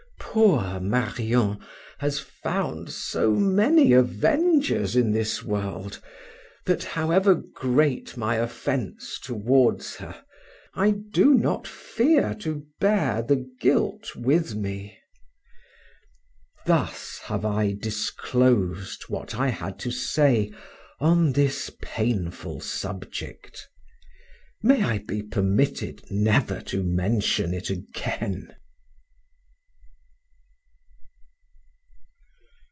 Poor Marion has found so many avengers in this world, that however great my offence towards her, I do not fear to bear the guilt with me. Thus have I disclosed what I had to say on this painful subject; may I be permitted never to mention it again.